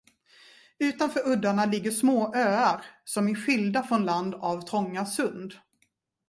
Utanför uddarna ligger små öar, som är skilda från land av trånga sund.